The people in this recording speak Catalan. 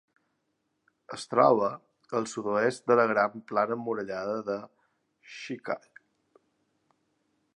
Es troba al sud-oest de la gran plana emmurallada de Schickard.